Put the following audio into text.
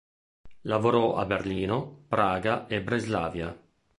Lavorò a Berlino, Praga e Breslavia.